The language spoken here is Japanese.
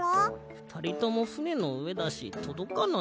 ふたりともふねのうえだしとどかないよ。